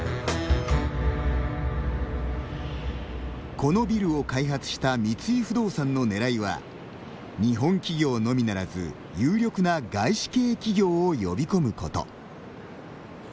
このビルを開発した三井不動産の狙いは日本企業のみならず有力な外資系企業を呼び込むこと。